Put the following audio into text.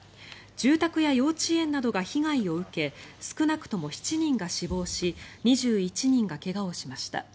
住宅や幼稚園などが被害を受け少なくとも７人が死亡し２１人が怪我をしました。